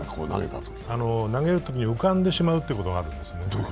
投げるときに浮かんでしまうということがあるんですね。